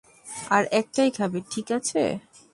আর একটাই খাবে, ঠিক আছে?